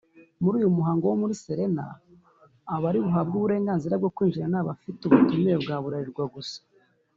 muri uyu muhango wo muri Serena abari buhabwe uburenganzira bwo kwinjiramo ni abafite ubutumire bwa Bralirwa gusa